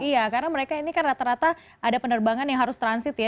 iya karena mereka ini kan rata rata ada penerbangan yang harus transit ya